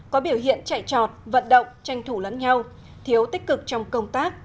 có biểu hiện chạy trọt vận động tranh thủ lẫn nhau thiếu tích cực trong công tác